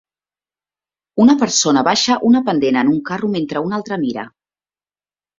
Una persona baixa una pendent en un carro mentre una altra mira.